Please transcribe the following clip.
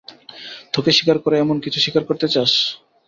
তোকে শিকার করে এমনকিছু শিকার করতে চাস?